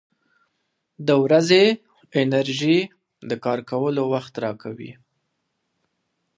• د ورځې انرژي د کار کولو وخت راکوي.